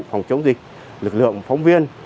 phòng chống dịch lực lượng phóng viên